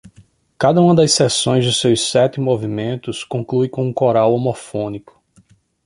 Cada uma das seções de seus sete movimentos conclui com um coral homofônico.